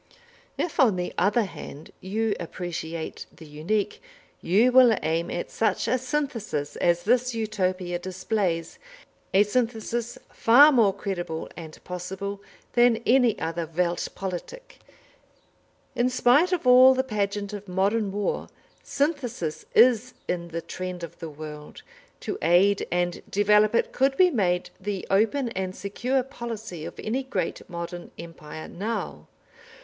If on the other hand you appreciate the unique, you will aim at such a synthesis as this Utopia displays, a synthesis far more credible and possible than any other Welt Politik. In spite of all the pageant of modern war, synthesis is in the trend of the world. To aid and develop it, could be made the open and secure policy of any great modern empire now.